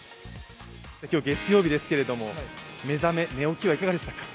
今日、月曜日ですけれども、目覚め、寝起きはいかがでしたか？